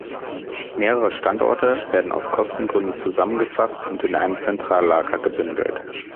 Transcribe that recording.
Mehrere Standorte werden aus Kostengründen zusammengefasst und in einem Zentrallager gebündelt.